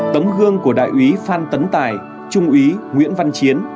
tấm gương của đại úy phan tấn tài trung úy nguyễn văn chiến